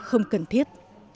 không cần thiết